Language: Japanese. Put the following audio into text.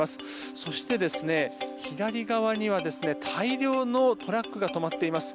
そして左側には大量のトラックが止まっています。